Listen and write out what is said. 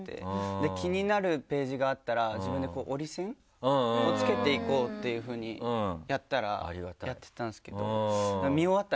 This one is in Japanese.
気になるページがあったら自分で折り線をつけていこうっていうふうにやったらやってたんですけど。